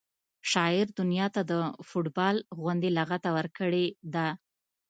شاعر دنیا ته د فټبال غوندې لغته ورکړې ده